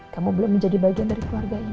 kamu belum menjadi bagian dari keluarga ini